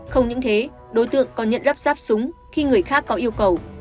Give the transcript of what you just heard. không những thế đối tượng còn nhận lắp ráp súng khi người khác có yêu cầu